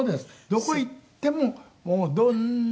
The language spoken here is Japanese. どこ行ってももうどんなに。